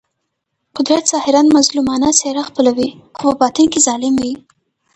قدرت ظاهراً مظلومانه څېره خپلوي خو په باطن کې ظالم وي.